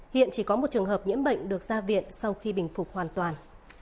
hiện chỉ có một trường hợp nhiễm bệnh được ra viện sau khi bình phục hoàn toàn